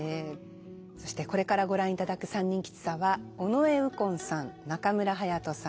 そしてこれからご覧いただく「三人吉三」は尾上右近さん中村隼人さん